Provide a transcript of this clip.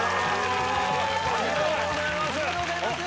ありがとうございます！